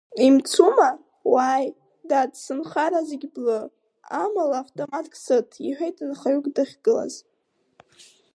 Имцума, уааи, дад, сынхара зегьы блы, амала автоматк сыҭ, — иҳәеит нхаҩык дахьгылаз.